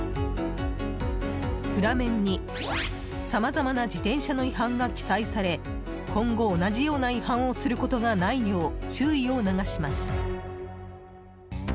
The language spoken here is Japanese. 裏面にさまざまな自転車の違反が記載され今後同じような違反をすることがないよう注意を促します。